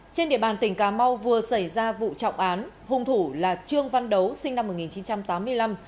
trên địa bàn tỉnh cà mau vừa xảy ra vụ trọng án hung thủ là trương văn đấu sinh năm một nghìn chín trăm tám mươi năm